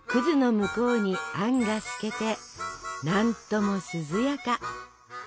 向こうにあんが透けて何とも涼やか。